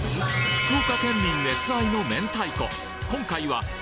福岡県民熱愛の明太子